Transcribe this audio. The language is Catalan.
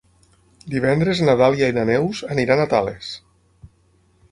Divendres na Dàlia i na Neus aniran a Tales.